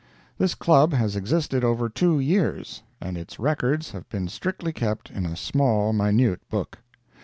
This Club has existed over two years, and its records have been strictly kept in a small minute book.